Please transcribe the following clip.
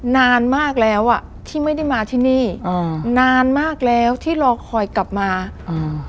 นานมากแล้วอ่ะที่ไม่ได้มาที่นี่อ่านานมากแล้วที่รอคอยกลับมาอืม